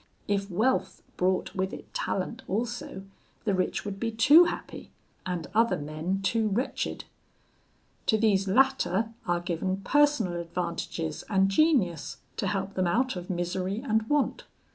If wealth brought with it talent also, the rich would be too happy, and other men too wretched. To these latter are given personal advantages and genius, to help them out of misery and want.